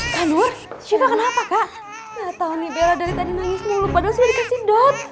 kak luar syifa kenapa kak nggak tahu nih bella dari tadi nangis mulu padahal sudah dikasih dot